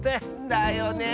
だよねえ。